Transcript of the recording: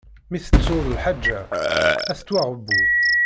Mi tettuḍ lḥaǧa, ad tettwaɣbu.